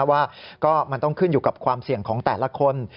ว่าก็มันต้องขึ้นอยู่กับความเสี่ยงของแต่ละคน